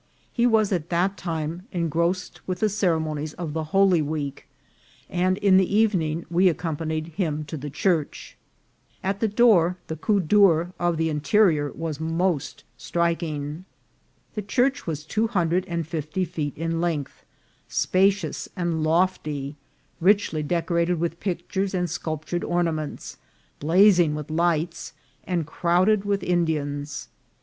He was at that .time engrossed with the cere monies of the Holy Week, and in the evening we ac companied him to the church. At the door the coup (Tail of the interior was most striking. The church was two hundred and fifty feet in length, spacious and lofty, richly decorated with pictures and sculptured or naments, blazing with lights, and crowded with In dians.